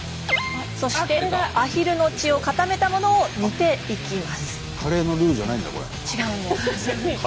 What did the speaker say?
そしてアヒルの血を固めたものを煮ていきます。